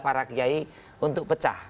para kiai untuk pecah